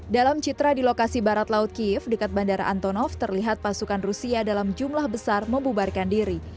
dalam citra di lokasi barat laut kiev dekat bandara antonov terlihat pasukan rusia dalam jumlah besar membubarkan diri